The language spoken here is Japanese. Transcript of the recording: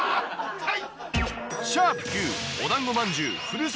はい。